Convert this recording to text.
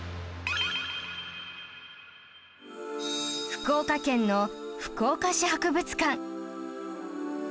福岡県の福岡市博物館